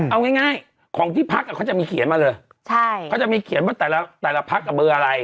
เอาง่ายของที่พักอ่ะเขาจะมีเขียนมาเลยใช่เขาจะมีเขียนว่าแต่ละแต่ละพักเบอร์อะไร